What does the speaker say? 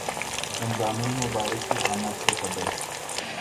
رمضان المبارک کی آمد سے قبل